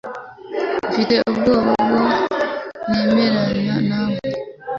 Mfite ubwoba ko ntemeranya nawe